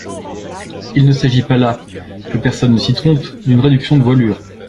Il ne s’agit pas là, que personne ne s’y trompe, d’une réduction de voilure.